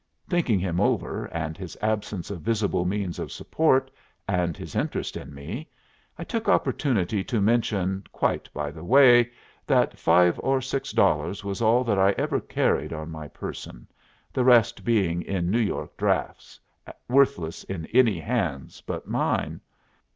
Thinking him over, and his absence of visible means of support, and his interest in me, I took opportunity to mention, quite by the way, that five or six dollars was all that I ever carried on my person, the rest being in New York drafts, worthless in any hands but mine.